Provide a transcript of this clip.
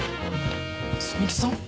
摘木さん？